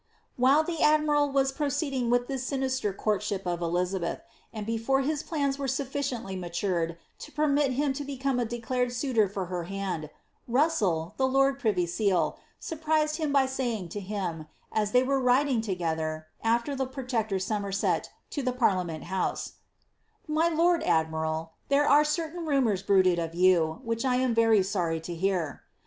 While the admiral was proceeding with this sinister courtship of Elizabeth, and before his plans were sufficiently matured to permit him to become a declared suitor for her hand, Russell, the lord privy seal, surprised him by saying to him, as they were riding together, after the protector Somerset to the parliament house, My lord admiral, .there are certain rumours bruited of you, which 1 am very sorry to hear."